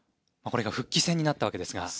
これが復帰戦になったわけですが。